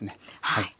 はい。